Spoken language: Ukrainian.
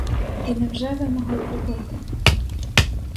І невже ви могли б убити?